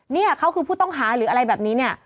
นี่เขาคือผู้ต้องหาหรืออะไรแบบนี้